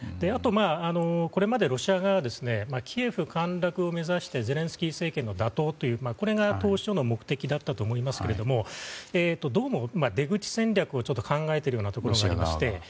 あと、これまでロシア側はキエフ陥落を目指してゼレンスキー政権の打倒というこれが当初の目的だったと思いますがどうも出口戦略を考えているようなところがありまして。